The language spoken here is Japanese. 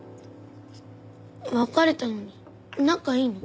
別れたのに仲いいの？